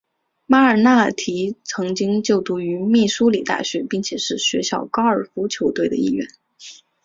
马尔纳提曾经就读于密苏里大学并且是学校高尔夫球队的一员。